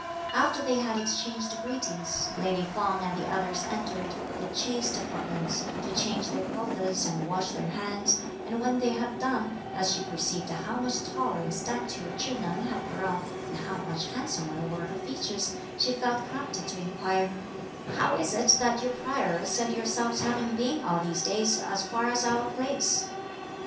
After they had exchanged greetings, lady Feng and the others entered the "chaste" apartments to change their clothes and wash their hands; and when they had done, as she perceived how much taller in stature Chih Neng had grown and how much handsomer were her features, she felt prompted to inquire, "How is it that your prioress and yourselves haven't been all these days as far as our place?"